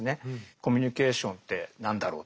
コミュニケーションって何だろうとかですね